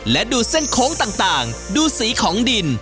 และดูเส้นโค้งต่างดูสีของดิน